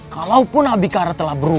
kalaupun abikara telah berubah